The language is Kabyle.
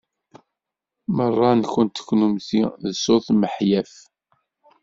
Meṛṛa-nkent kunemti d sut miḥyaf.